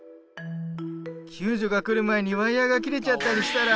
救助が来る前にワイヤーが切れちゃったりしたら。